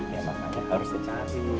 ya makanya harus berdua